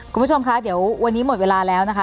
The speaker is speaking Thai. คุณผู้ชมคะเดี๋ยววันนี้หมดเวลาแล้วนะคะ